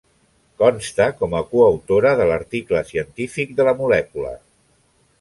Consta com a coautora de l'article científic de la molècula.